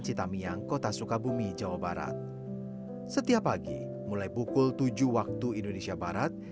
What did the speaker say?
citamiang kota sukabumi jawa barat setiap pagi mulai pukul tujuh waktu indonesia barat